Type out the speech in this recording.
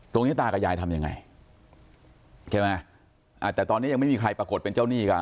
ตากับยายทำยังไงใช่ไหมอ่าแต่ตอนนี้ยังไม่มีใครปรากฏเป็นเจ้าหนี้กัน